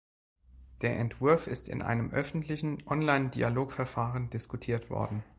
Der Entwurf ist in einem öffentlichen Online-Dialogverfahren diskutiert worden.